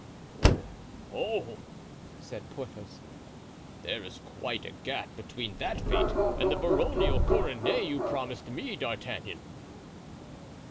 "Oh! oh!" said Porthos, "there is quite a gap between that fate and the baronial coronet you promised me, D'Artagnan."